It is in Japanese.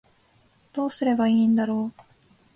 どうすればいいんだろう